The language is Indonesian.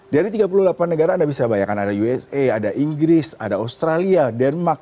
dari tiga puluh delapan negara anda bisa bayangkan ada usa ada inggris ada australia denmark